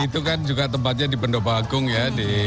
itu kan juga tempatnya di bendopa agung ya